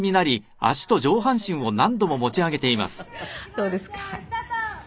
そうですか。